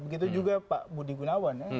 begitu juga pak budi gunawan